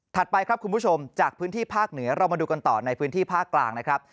ไปครับคุณผู้ชมจากพื้นที่ภาคเหนือเรามาดูกันต่อในพื้นที่ภาคกลางนะครับ